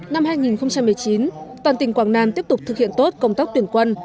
năm hai nghìn một mươi chín toàn tỉnh quảng nam tiếp tục thực hiện tốt công tác tuyển quân